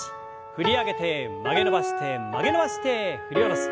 振り上げて曲げ伸ばして曲げ伸ばして振り下ろす。